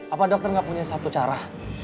apa dokter gak punya satu cara